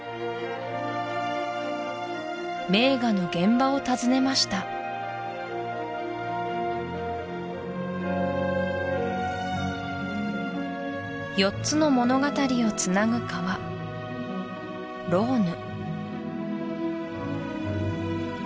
名画の現場を訪ねました４つの物語をつなぐ川ローヌ